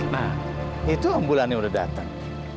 nah itu ambulannya udah datang